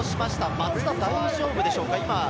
松田、大丈夫でしょうか？